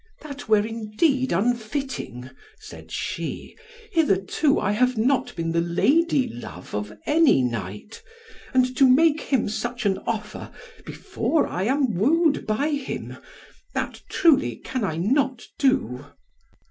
"That were indeed unfitting," said she. "Hitherto I have not been the lady love of any knight, and to make him such an offer before I am wooed by him, that, truly, can I not do."